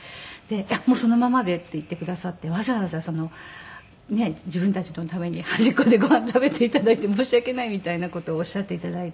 「そのままで」って言ってくださってわざわざねえ「自分たちのために端っこでご飯食べて頂いて申し訳ない」みたいな事をおっしゃって頂いて。